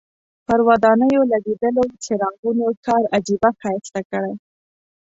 پر ودانیو لګېدلو څراغونو ښار عجیبه ښایسته کړی.